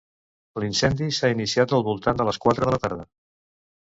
L'incendi s'ha iniciat al voltant de les quatre de la tarda.